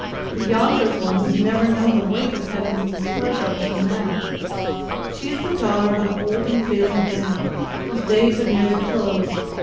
But yonder is one who has never known the weight of Heaven's displeasure until now. She is the daughter of an old and failing man, whose days are near their close.